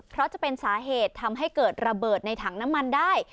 เพราะจะเป็นสาเหตุทำให้เกิดระเบิดในถังน้ำมันได้